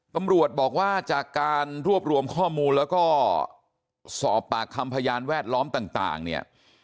ตำรวจบอกว่าจากการรวบรวมข้อมูลแล้วก็สอบปากคำพยานแวดล้อมต่างเนี่ย